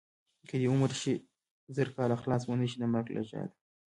که دې عمر شي زر کاله خلاص به نشې د مرګ له جاله.